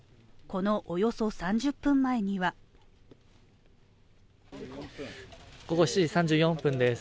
このおよそ３０分前には午後７時３４分です